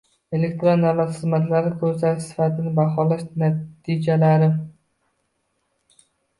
Elektron davlat xizmatlari ko‘rsatish sifatini baholash natijalari